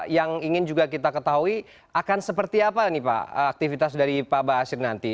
yang ingin juga kita ketahui akan seperti apa nih pak aktivitas dari pak baasir nanti